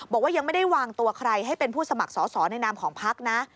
บอกว่ายังไม่ได้วางตัวใครให้เป็นผู้สมัครสอสอในนามของพักนะ